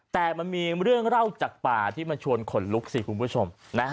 แต่มันมีเรื่องเล่าจากป่าที่มันชวนขนลุกสิคุณผู้ชม